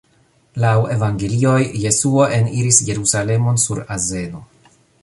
Laŭ Evangelioj, Jesuo eniris Jerusalemon sur azeno.